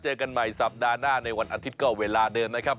เจอกันใหม่สัปดาห์หน้าในวันอาทิตย์ก็เวลาเดิมนะครับ